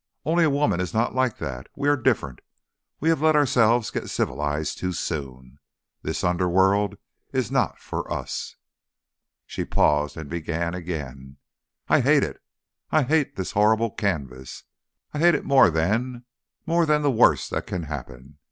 Only a woman is not like that. We are different. We have let ourselves get civilised too soon. This underworld is not for us." She paused and began again. "I hate it! I hate this horrible canvas! I hate it more than more than the worst that can happen.